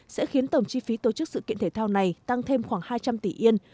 sẽ khiến tổng chi phí tổ chức sự kiện thể thao này tăng thêm khoảng hai trăm linh tỷ yên